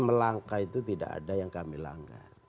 melangkah itu tidak ada yang kami langgar